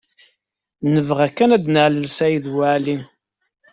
Nebɣa kan ad nalel Saɛid Waɛli.